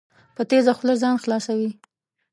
په تېزه خوله ځان خلاصوي.